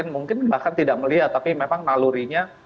mungkin bahkan tidak melihat tapi memang nalurinya